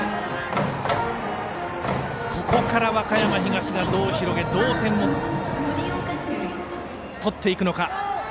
ここから和歌山東が、どう広げどう点を取っていくのか。